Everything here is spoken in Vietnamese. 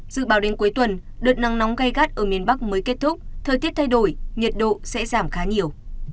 dự báo đến cuối tuần đợt nắng nóng gai gắt ở miền bắc mới kết thúc thời tiết thay đổi nhiệt độ sẽ giảm khá nhiều